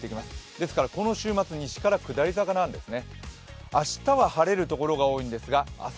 ですからこの週末西から下り坂なんですね。